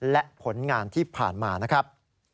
และผลงานที่ผ่านมานะครับ